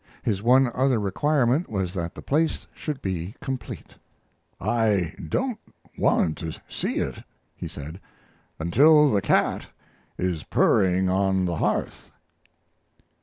His one other requirement was that the place should be complete. "I don't want to see it," he said, "until the cat is purring on the hearth."